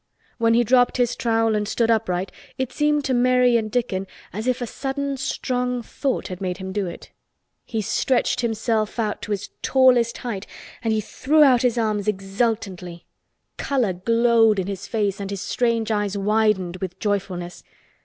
When he dropped his trowel and stood upright it seemed to Mary and Dickon as if a sudden strong thought had made him do it. He stretched himself out to his tallest height and he threw out his arms exultantly. Color glowed in his face and his strange eyes widened with joyfulness.